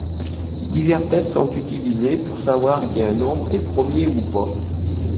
Divers tests sont utilisés pour savoir si un nombre est premier ou pas.